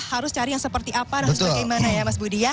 harus cari yang seperti apa dan bagaimana ya mas budi ya